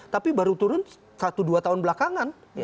tapi baru turun satu dua tahun belakangan